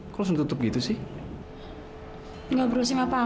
keling servis mbak lusin sofa dapur semua bisa